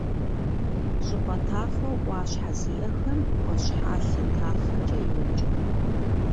ЩӀыпӀэ тафэу Ӏуащхьэ зиӀэхэм — Ӏуащхьалъэ тафэкӀэ йоджэ.